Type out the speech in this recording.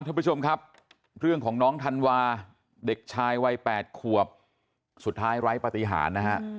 ท่านผู้ชมครับเรื่องของน้องธันวาเด็กชายวัย๘ขวบสุดท้ายไร้ปฏิหารนะฮะ